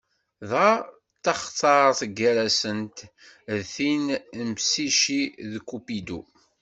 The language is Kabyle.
Dɣa taxtart gar-asent d tin n Psici d Kupidu.